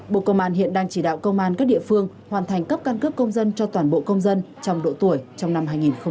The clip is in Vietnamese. bộ công an hiện đang chỉ đạo công an các địa phương hoàn thành cấp căn cước công dân cho toàn bộ công dân trong độ tuổi trong năm hai nghìn hai mươi